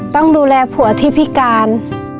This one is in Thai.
ต้องดูแลผัวที่พิการ